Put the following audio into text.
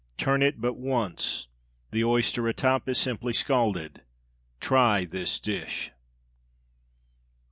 Turn it but once. The oyster atop is simply scalded. _Try this dish.